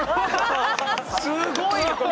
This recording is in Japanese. すごいよこれ。